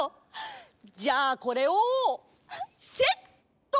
じゃあこれをセット！